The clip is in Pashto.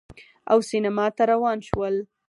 او سینما ته روان شول